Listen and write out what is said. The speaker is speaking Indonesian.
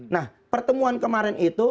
nah pertemuan kemarin itu